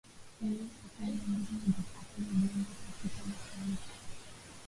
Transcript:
imia saa kumi na mbili na dakika tano jioni hapa afrika ya mashariki